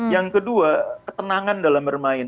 yang kedua ketenangan dalam bermain